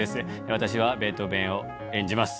私はベートーベンを演じます